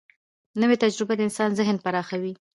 نوې تجربه د انسان ذهن پراخوي